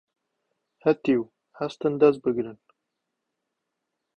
هەتیو هەستن دەس بگرن